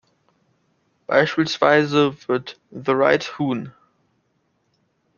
Beispielsweise wird "The Right Hon.